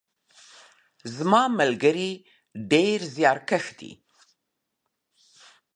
زما ملګري ډیر زحمت کش دي.